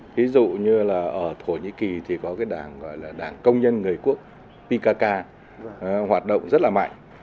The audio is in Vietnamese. ví dụ như là ở thổ nhĩ kỳ thì có cái đảng gọi là đảng công nhân người quốc pikak hoạt động rất là mạnh